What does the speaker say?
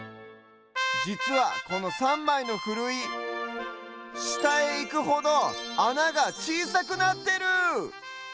じつはこの３まいのふるいしたへいくほどあながちいさくなってる！